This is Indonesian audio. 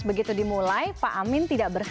begitu dimulai pak amin tidak berhasil